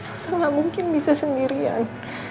udah gak mungkin bisa sendirian